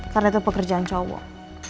karena itu pekerjaan cowok